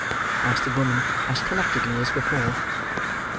asked the woman, as collectedly as before.